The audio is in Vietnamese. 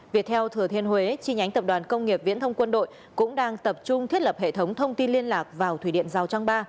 viettel thừa thiên huế chi nhánh tập đoàn công nghiệp viễn thông quân đội cũng đang tập trung thiết lập hệ thống thông tin liên lạc vào thủy điện giao trang ba